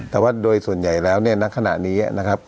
แต่ว่าโดยส่วนใหญ่แล้วในขณะนี้